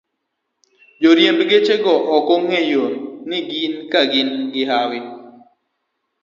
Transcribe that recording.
Joriemb gechego ok ong'eyo ni ka gin gi hawi